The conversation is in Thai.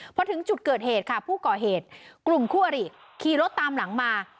พอถึงจุดเกิดเหตุค่ะผู้ก่อเหตุกลุ่มคู่อริขี่รถตามหลังมา